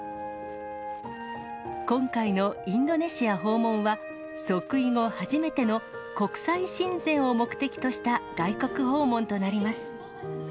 今回のインドネシア訪問は、即位後初めての国際親善を目的とした外国訪問となります。